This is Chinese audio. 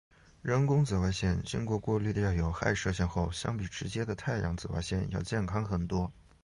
人工紫外线经过过滤掉有害射线后相比直接的太阳紫外线要健康很多。